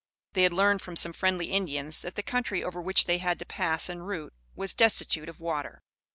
They had learned from some friendly Indians that the country over which they had to pass en route was destitute of water.